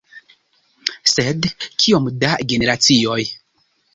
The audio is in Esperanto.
Sed kiom da generacioj?